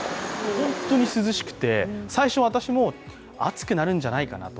本当に涼しくて、最初は私も、暑くなるんじゃないかなと。